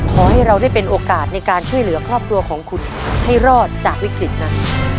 ขอให้เราได้เป็นโอกาสในการช่วยเหลือครอบครัวของคุณให้รอดจากวิกฤตนั้น